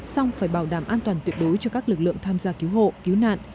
xong phải bảo đảm an toàn tuyệt đối cho các lực lượng tham gia cứu hộ cứu nạn